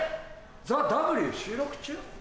『ＴＨＥＷ』収録中？